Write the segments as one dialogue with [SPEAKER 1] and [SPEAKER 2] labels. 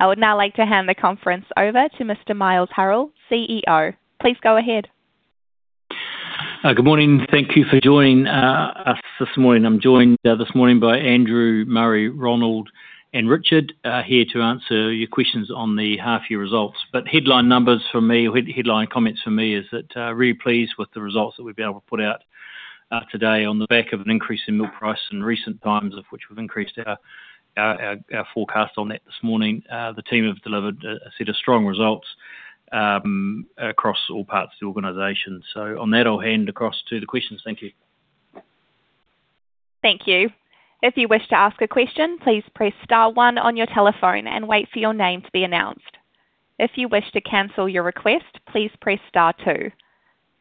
[SPEAKER 1] I would now like to hand the conference over to Mr. Miles Hurrell, CEO. Please go ahead.
[SPEAKER 2] Good morning. Thank you for joining us this morning. I'm joined this morning by Andrew Murray, René, and Richard here to answer your questions on the half-year results. Headline comments from me is that really pleased with the results that we've been able to put out today on the back of an increase in milk price in recent times, of which we've increased our forecast on that this morning. The team have delivered a set of strong results across all parts of the organization. On that, I'll hand across to the questions. Thank you.
[SPEAKER 1] Thank you. If you wish to ask a question, please press star one on your telephone and wait for your name to be announced. If you wish to cancel your request, please press star two.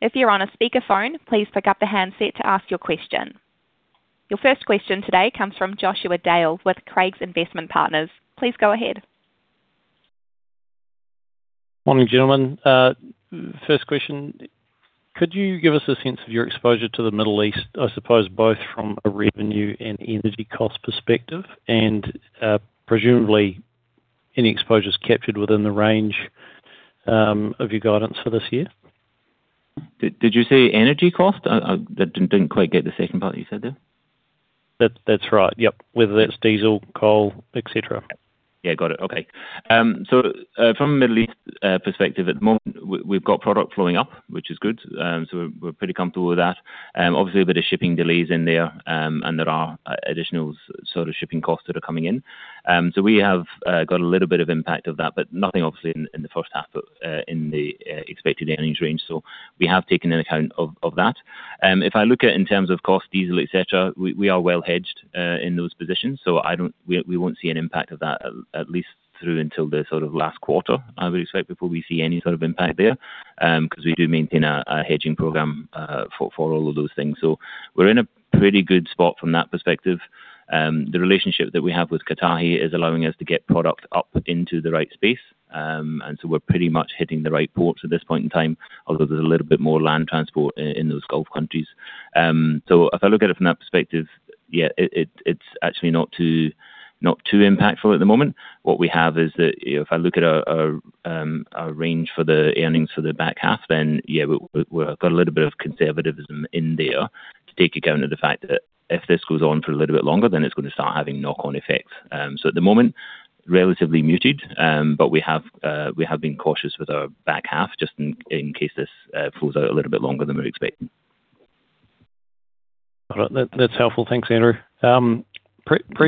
[SPEAKER 1] If you're on a speakerphone, please pick up the handset to ask your question. Your first question today comes from Joshua Dale with Craigs Investment Partners. Please go ahead.
[SPEAKER 3] Morning, gentlemen. First question, could you give us a sense of your exposure to the Middle East, I suppose both from a revenue and energy cost perspective, and presumably any exposures captured within the range of your guidance for this year?
[SPEAKER 4] Did you say energy cost? I didn't quite get the second part you said there.
[SPEAKER 3] That's right. Yep. Whether it's diesel, coal, et cetera.
[SPEAKER 4] Yeah, got it. Okay. From a Middle East perspective, at the moment, we've got product flowing up, which is good. We're pretty comfortable with that. Obviously a bit of shipping delays in there, and there are additional sort of shipping costs that are coming in. We have got a little bit of impact of that, but nothing obviously in the first half of the expected earnings range. We have taken into account that. If I look at it in terms of cost, diesel, et cetera, we are well hedged in those positions. I don't We won't see an impact of that at least through until the sort of last quarter, I would expect, before we see any sort of impact there, 'cause we do maintain a hedging program for all of those things. We're in a pretty good spot from that perspective. The relationship that we have with Kotahi is allowing us to get product up into the right space. We're pretty much hitting the right ports at this point in time, although there's a little bit more land transport in those Gulf countries. If I look at it from that perspective, yeah, it's actually not too impactful at the moment. What we have is that if I look at our range for the earnings for the back half, then yeah, we've got a little bit of conservatism in there to take account of the fact that if this goes on for a little bit longer, then it's gonna start having knock-on effects. So at the moment, relatively muted, but we have been cautious with our back half just in case this falls out a little bit longer than we're expecting.
[SPEAKER 3] Got it. That, that's helpful. Thanks, Andrew. Previously-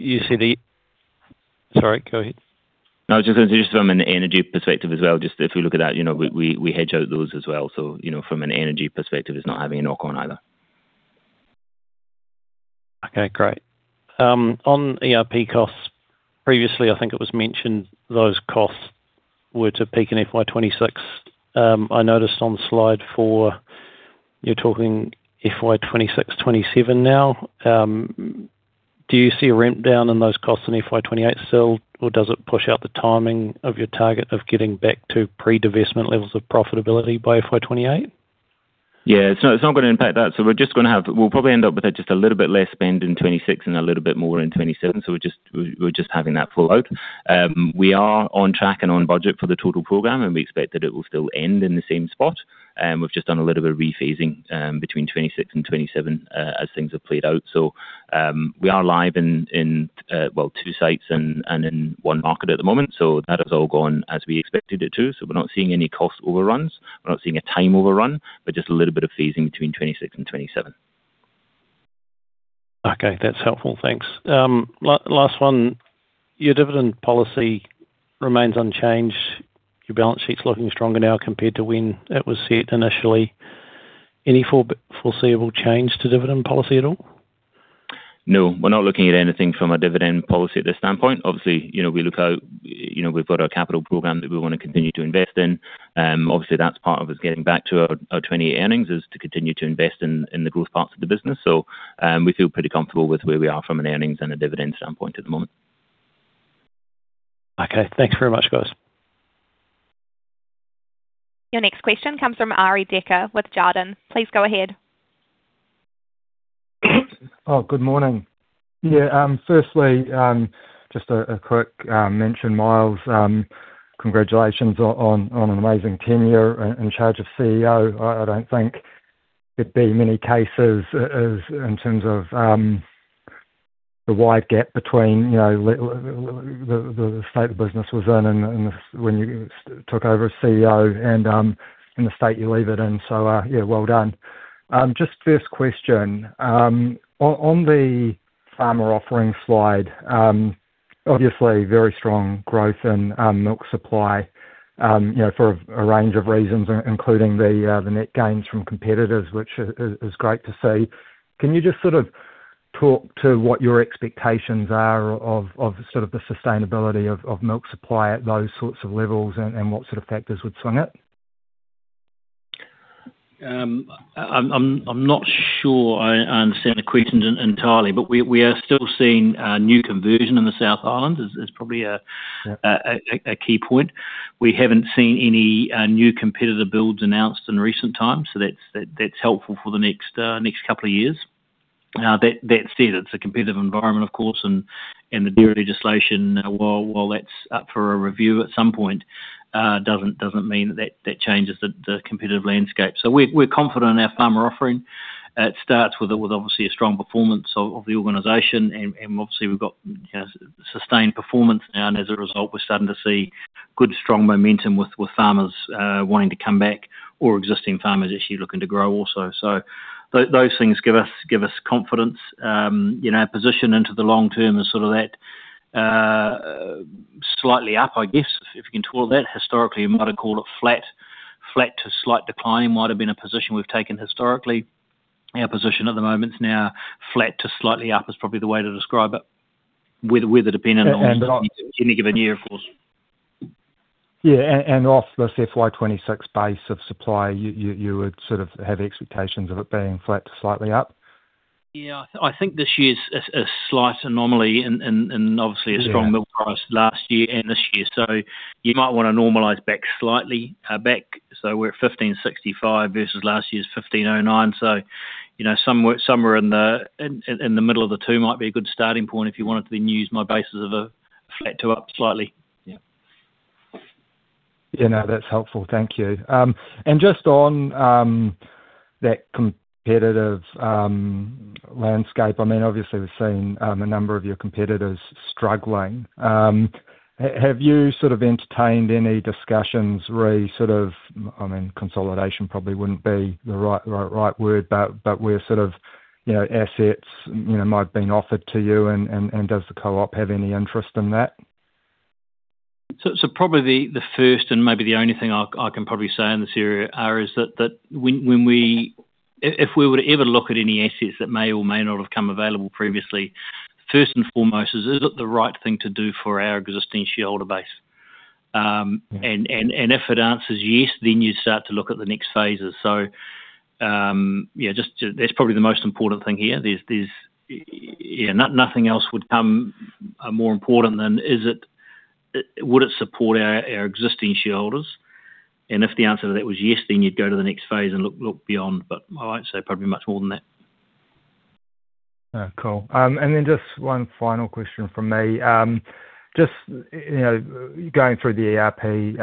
[SPEAKER 4] Just on that.
[SPEAKER 3] Sorry, go ahead.
[SPEAKER 4] No, I was just gonna say from an energy perspective as well, just if you look at that, you know, we hedge out those as well. You know, from an energy perspective, it's not having a knock on either.
[SPEAKER 3] Okay, great. On ERP costs, previously, I think it was mentioned those costs were to peak in FY 2026. I noticed on slide 4 you're talking FY 2026, FY 2027 now. Do you see a ramp down in those costs in FY 2028 still, or does it push out the timing of your target of getting back to pre-divestment levels of profitability by FY28?
[SPEAKER 4] Yeah. It's not gonna impact that. We're just gonna have. We'll probably end up with just a little bit less spend in FY 2026 and a little bit more in FY 2027. We're just having that full load. We are on track and on budget for the total program, and we expect that it will still end in the same spot. We've just done a little bit of rephasing between FY 2026 and FY 2027 as things have played out. We are live in two sites and in one market at the moment. That has all gone as we expected it to. We're not seeing any cost overruns. We're not seeing a time overrun, but just a little bit of phasing between FY 2026 and FY 2027.
[SPEAKER 3] Okay. That's helpful. Thanks. Last one. Your dividend policy remains unchanged. Your balance sheet's looking stronger now compared to when it was set initially. Any foreseeable change to dividend policy at all?
[SPEAKER 4] No, we're not looking at anything from a dividend policy at this standpoint. Obviously, you know, we look out, you know, we've got our capital program that we wanna continue to invest in. Obviously that's part of us getting back to our 20 earnings, is to continue to invest in the growth parts of the business. We feel pretty comfortable with where we are from an earnings and a dividend standpoint at the moment.
[SPEAKER 3] Okay. Thanks very much, guys.
[SPEAKER 1] Your next question comes from Arie Dekker with Jarden. Please go ahead.
[SPEAKER 5] Oh, good morning. Yeah. Firstly, just a quick mention, Miles, congratulations on an amazing tenure in charge as CEO. I don't think there'd be many cases, as in terms of the wide gap between, you know, the state the business was in and when you took over as CEO and the state you leave it in. Yeah, well done. Just first question. On the farmer offering slide, obviously very strong growth in milk supply, you know, for a range of reasons, including the net gains from competitors, which is great to see. Can you just sort of talk to what your expectations are of sort of the sustainability of milk supply at those sorts of levels and what sort of factors would swing it?
[SPEAKER 2] I'm not sure I understand the question entirely, but we are still seeing new conversion in the South Island is probably a key point. We haven't seen any new competitor builds announced in recent times, so that's helpful for the next couple of years. Now that said, it's a competitive environment, of course, and the dairy legislation, while that's up for a review at some point, doesn't mean that changes the competitive landscape. So we're confident in our farmer offering. It starts with obviously a strong performance of the organization and obviously we've got sustained performance now and as a result, we're starting to see good strong momentum with farmers wanting to come back or existing farmers actually looking to grow also. Those things give us confidence, you know, position into the long term is sort of that, slightly up, I guess, if you can call it that. Historically, you might have called it flat. Flat to slight decline might have been a position we've taken historically. Our position at the moment is now flat to slightly up is probably the way to describe it. Weather dependent on any given year, of course.
[SPEAKER 5] Off this FY 2026 base of supply, you would sort of have expectations of it being flat to slightly up?
[SPEAKER 2] Yeah. I think this year's a slight anomaly and obviously.
[SPEAKER 5] Yeah.
[SPEAKER 2] A strong milk price last year and this year. You might wanna normalize back slightly. We're at 1,565 versus last year's 1,509. You know, somewhere in the middle of the two might be a good starting point if you wanted to then use my basis of a flat to up slightly.
[SPEAKER 5] Yeah. Yeah, no, that's helpful. Thank you. Just on that competitive landscape, I mean, obviously we've seen a number of your competitors struggling. Have you sort of entertained any discussions re sort of, I mean, consolidation probably wouldn't be the right word, but where sort of, you know, assets, you know, might have been offered to you and does the co-op have any interest in that?
[SPEAKER 2] Probably the first and maybe the only thing I can probably say in this area is that if we were to ever look at any assets that may or may not have come available previously, first and foremost is it the right thing to do for our existing shareholder base?
[SPEAKER 5] Mm-hmm.
[SPEAKER 2] if it answers yes, then you start to look at the next phases. Yeah, that's probably the most important thing here. Yeah. Nothing else would come more important than would it support our existing shareholders? If the answer to that was yes, then you'd go to the next phase and look beyond. I won't say probably much more than that.
[SPEAKER 5] Cool. Just one final question from me. Just, you know, going through the ERP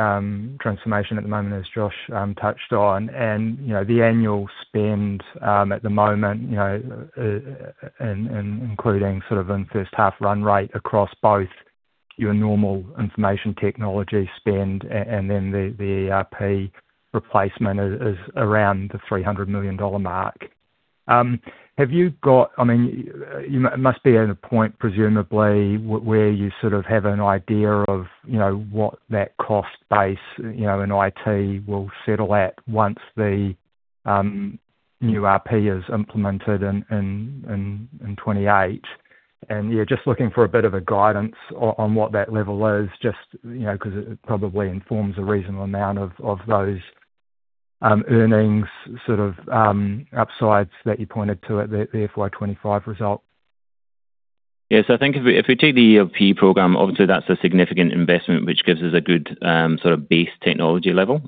[SPEAKER 5] transformation at the moment as Josh touched on, and, you know, the annual spend at the moment, you know, and including sort of in first half run rate across both your normal information technology spend and then the ERP replacement is around the 300 million dollar mark. Have you got? I mean, you must be at a point, presumably where you sort of have an idea of, you know, what that cost base, you know, in IT will settle at once the new ERP is implemented in 2028. Yeah, just looking for a bit of guidance on what that level is, just, you know, 'cause it probably informs a reasonable amount of those earnings sort of upsides that you pointed to at the FY 2025 result.
[SPEAKER 4] Yeah. I think if we take the ERP program, obviously that's a significant investment, which gives us a good sort of base technology level,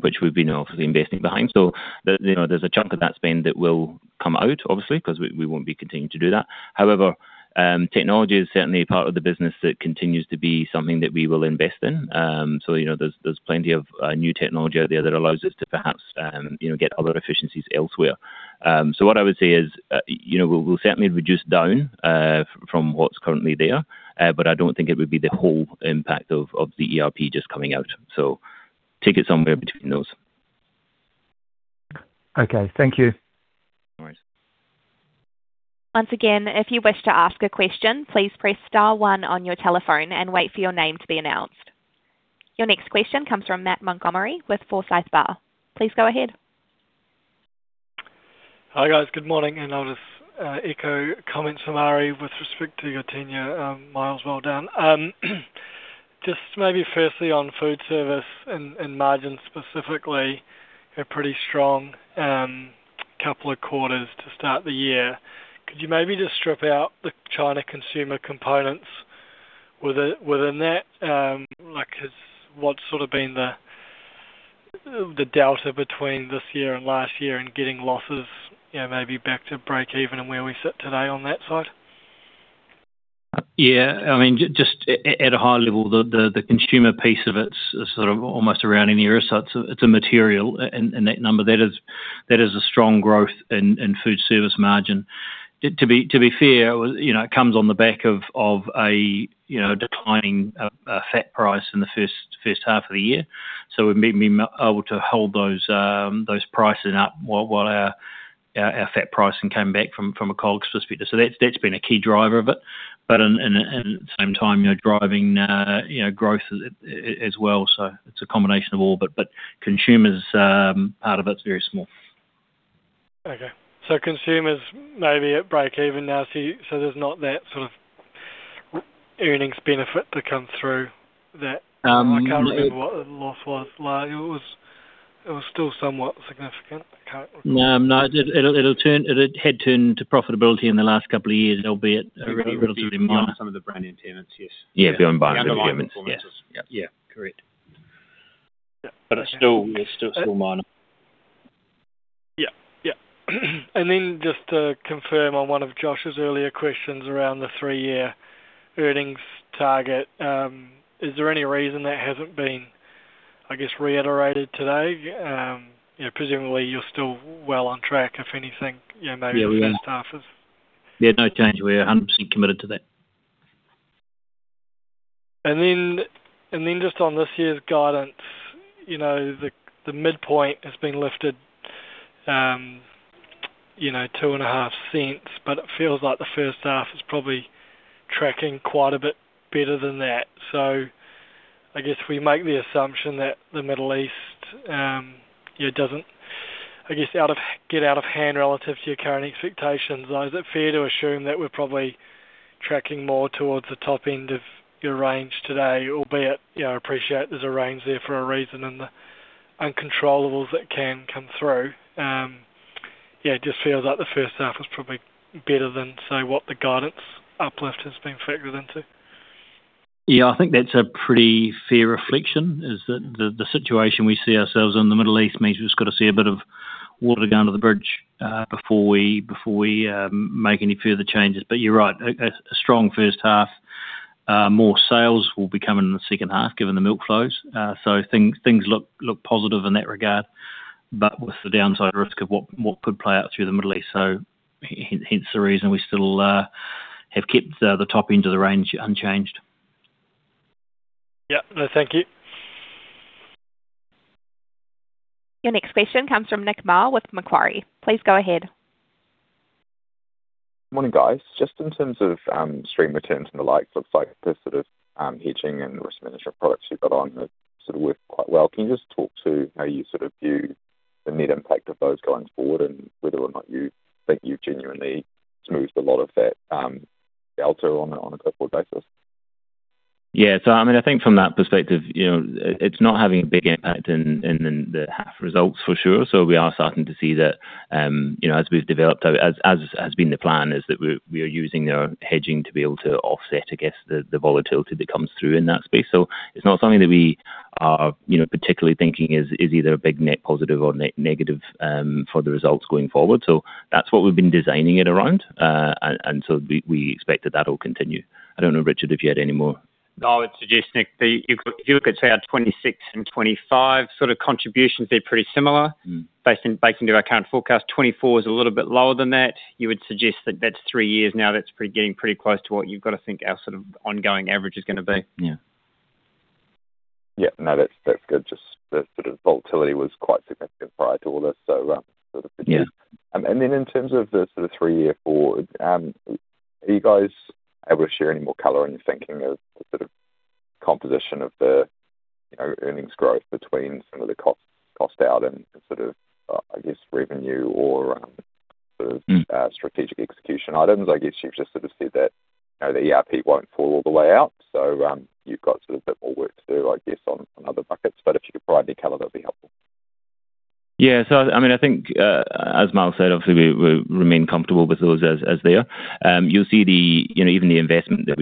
[SPEAKER 4] which we've been obviously investing behind. You know, there's a chunk of that spend that will come out obviously, 'cause we won't be continuing to do that. However, technology is certainly a part of the business that continues to be something that we will invest in. You know, there's plenty of new technology out there that allows us to perhaps get other efficiencies elsewhere. What I would say is, you know, we'll certainly reduce down from what's currently there, but I don't think it would be the whole impact of the ERP just coming out. Take it somewhere between those.
[SPEAKER 5] Okay. Thank you.
[SPEAKER 4] No worries.
[SPEAKER 1] Once again, if you wish to ask a question, please press star one on your telephone and wait for your name to be announced. Your next question comes from Matt Montgomerie with Forsyth Barr. Please go ahead.
[SPEAKER 6] Hi guys. Good morning, I'll just echo comments from Arie with respect to your tenure, Miles, well done. Just maybe firstly on Foodservice and margin specifically, a pretty strong couple of quarters to start the year. Could you maybe just strip out the China consumer components within that? Like what's sort of been the delta between this year and last year and getting losses, you know, maybe back to break even and where we sit today on that side?
[SPEAKER 2] Yeah. I mean, just at a high level, the consumer piece of it is sort of almost a rounding error. It's material in that number. That is a strong growth in Foodservice margin. To be fair, you know, it comes on the back of a you know, declining fat price in the first half of the year. We've been able to hold those prices up while our fat pricing came back from a COGS perspective. That's been a key driver of it. At the same time, you know, driving you know, growth as well. It's a combination of all, but consumer part of it is very small.
[SPEAKER 6] Okay. Consumers may be at breakeven now, so there's not that sort of earnings benefit to come through that.
[SPEAKER 2] Um-
[SPEAKER 6] I can't remember what the loss was like. It was still somewhat significant. I can't remember.
[SPEAKER 2] No, it had turned to profitability in the last couple of years, albeit relatively minor.
[SPEAKER 6] Some of the brand new entrants. Yes.
[SPEAKER 4] Yeah. If you're buying the new entrants.
[SPEAKER 6] The underlying performances. Yeah.
[SPEAKER 2] Yeah. Correct.
[SPEAKER 4] It's still minor.
[SPEAKER 6] Yeah. Yeah. Just to confirm on one of Josh's earlier questions around the three-year earnings target, is there any reason that hasn't been, I guess, reiterated today? You know, presumably you're still well on track, if anything, you know, maybe.
[SPEAKER 4] Yeah, we are.
[SPEAKER 6] First half is.
[SPEAKER 4] Yeah, no change. We're 100% committed to that.
[SPEAKER 6] Just on this year's guidance, you know, the midpoint has been lifted, you know, [2.5], but it feels like the first half is probably tracking quite a bit better than that. I guess we make the assumption that the Middle East, yeah, doesn't, I guess, get out of hand relative to your current expectations. Is it fair to assume that we're probably tracking more towards the top end of your range today, albeit, you know, appreciate there's a range there for a reason, and the uncontrollables that can come through. Yeah, it just feels like the first half is probably better than, say, what the guidance uplift has been factored into.
[SPEAKER 4] Yeah. I think that's a pretty fair reflection is that the situation we see ourselves in the Middle East means we've just got to see a bit of water going under the bridge before we make any further changes. You're right. A strong first half, more sales will be coming in the second half given the milk flows. Things look positive in that regard. With the downside risk of what could play out through the Middle East. Hence the reason we still have kept the top end of the range unchanged.
[SPEAKER 6] Yeah. No, thank you.
[SPEAKER 1] Your next question comes from Nick Mar with Macquarie. Please go ahead.
[SPEAKER 7] Morning, guys. Just in terms of stream returns and the likes, looks like this sort of hedging and risk management products you've got on have sort of worked quite well. Can you just talk to how you sort of view the net impact of those going forward and whether or not you think you've genuinely smoothed a lot of that delta on a go forward basis?
[SPEAKER 4] Yeah. I mean, I think from that perspective, you know, it's not having a big impact in the half results for sure. We are starting to see that, you know, as we've developed, as has been the plan, is that we are using our hedging to be able to offset against the volatility that comes through in that space. It's not something that we are, you know, particularly thinking is either a big net positive or negative, for the results going forward. That's what we've been designing it around. We expect that that will continue. I don't know, Richard, if you had any more.
[SPEAKER 8] I would suggest, Nick, if you look at say our 2026 and 2025 sort of contributions, they're pretty similar. Based into our current forecast, 2024 is a little bit lower than that. You would suggest that that's three years now, that's pretty close to what you've got to think our sort of ongoing average is gonna be.
[SPEAKER 4] Yeah.
[SPEAKER 7] Yeah. No, that's good. Just the sort of volatility was quite significant prior to all this, so,
[SPEAKER 4] Yeah.
[SPEAKER 7] In terms of the sort of three-year forward, are you guys able to share any more color on your thinking of the sort of composition of the, you know, earnings growth between some of the cost out and sort of, I guess, revenue or sort of?
[SPEAKER 4] Mm
[SPEAKER 7] strategic execution items? I guess you've just sort of said that, you know, the ERP won't fall all the way out. You've got sort of a bit more work to do, I guess, on other buckets. If you could provide any color, that'd be helpful.
[SPEAKER 4] Yeah. I mean, I think, as Mar said, obviously we remain comfortable with those as they are. You'll see, you know, even the investment that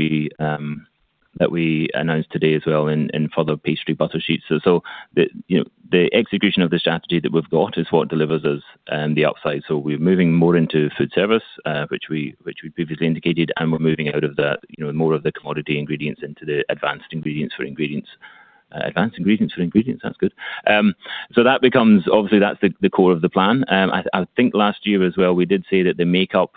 [SPEAKER 4] we announced today as well in for the pastry butter sheets. The, you know, execution of the strategy that we've got is what delivers us the upside. We're moving more into food service, which we previously indicated, and we're moving out of, you know, more of the commodity ingredients into the advanced ingredients for ingredients. Advanced ingredients for ingredients, sounds good. That becomes obviously, that's the core of the plan. I think last year as well, we did say that the makeup,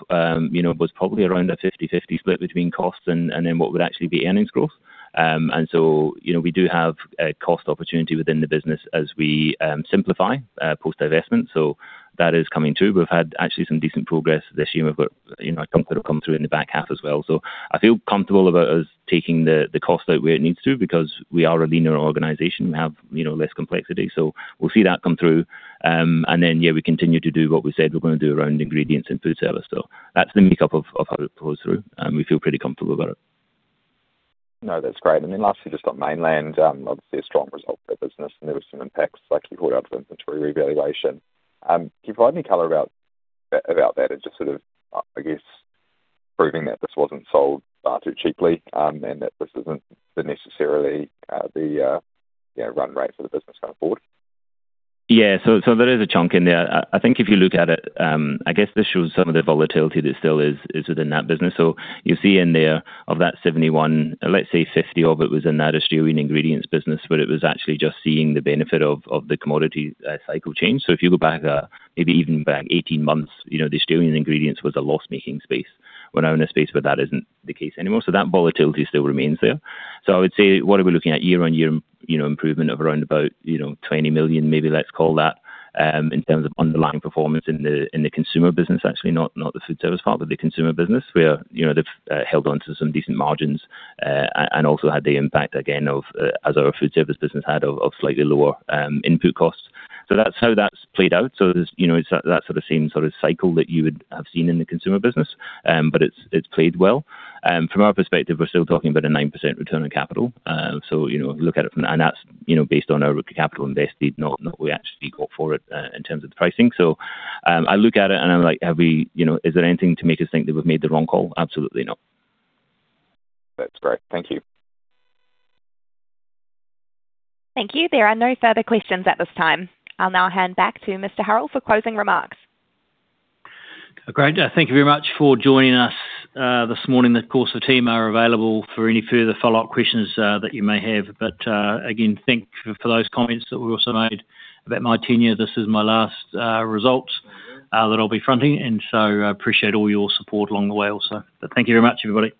[SPEAKER 4] you know, was probably around a 50/50 split between costs and then what would actually be earnings growth. You know, we do have a cost opportunity within the business as we simplify post-divestment. So that is coming too. We've had actually some decent progress this year. We've got, you know, a couple have come through in the back half as well. So I feel comfortable about us taking the cost out where it needs to because we are a leaner organization. We have, you know, less complexity. So we'll see that come through. Yeah, we continue to do what we said we're gonna do around Ingredients and Foodservice. That's the makeup of how it pulls through, and we feel pretty comfortable about it.
[SPEAKER 7] No, that's great. Lastly, just on Mainland, obviously a strong result for that business and there were some impacts like you brought out of inventory revaluation. Can you provide any color about that and just sort of, I guess, proving that this wasn't sold too cheaply, and that this isn't necessarily the, you know, run rate for the business going forward?
[SPEAKER 4] There is a chunk in there. I think if you look at it, I guess this shows some of the volatility that still is within that business. You'll see in there of that 71 million, let's say 50 million of it was in that Australian ingredients business, but it was actually just seeing the benefit of the commodity cycle change. If you go back, maybe even back 18 months, you know, the Australian ingredients was a loss-making space. We're now in a space where that isn't the case anymore, so that volatility still remains there. I would say what are we looking at year-on-year, you know, improvement of around about, you know, 20 million maybe let's call that, in terms of underlying performance in the consumer business, actually, not the Foodservice part, but the consumer business where, you know, they've held on to some decent margins, and also had the impact again of, as our Foodservice business had of slightly lower input costs. That's how that's played out. There's, you know, it's that sort of same sort of cycle that you would have seen in the consumer business. But it's played well. From our perspective, we're still talking about a 9% return on capital. You know, look at it. That's, you know, based on our ROIC capital invested, not what we actually got for it in terms of the pricing. I look at it and I'm like, have we, you know, is there anything to make us think that we've made the wrong call? Absolutely not.
[SPEAKER 7] That's great. Thank you.
[SPEAKER 1] Thank you. There are no further questions at this time. I'll now hand back to Mr. Hurrell for closing remarks.
[SPEAKER 2] Great. Thank you very much for joining us, this morning. Of course, the team are available for any further follow-up questions, that you may have. Again, thank you for those comments that were also made about my tenure. This is my last results that I'll be fronting and so I appreciate all your support along the way also. Thank you very much, everybody.